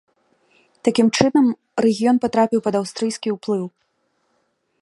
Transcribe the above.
Такім чынам, рэгіён патрапіў пад аўстрыйскі ўплыў.